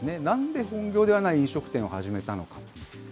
なんで本業ではない飲食店を始めたのか。